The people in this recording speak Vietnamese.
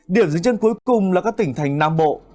điểm dưới chân cuối cùng là các tỉnh thành nam bộ